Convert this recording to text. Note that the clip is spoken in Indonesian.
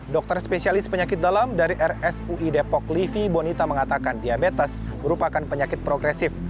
dokter spesialis penyakit dalam dari rsui depok livi bonita mengatakan diabetes merupakan penyakit progresif